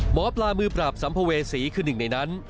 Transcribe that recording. หมอปลามือปราบสัมภเวษีคือหนึ่งในนั้น